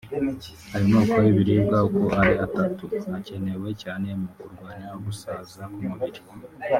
Ayo moko y’ibiribwa uko ari atatu akenewe cyane mu kurwanya ugusaza k’umubiri